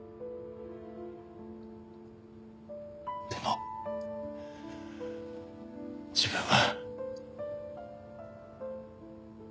でも自分は。